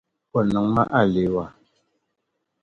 O niŋ ma aleewa.